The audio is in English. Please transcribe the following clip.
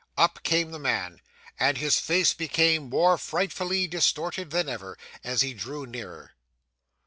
Up came the man, and his face became more frightfully distorted than ever, as he drew nearer.